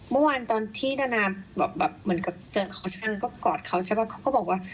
เมื่อวานตอนที่นานาแบบเหมือนกับเจอคอชั่นก็กอดเขาใช่ป่ะเขาก็บอกว่า